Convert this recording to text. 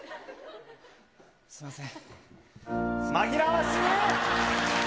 すみません。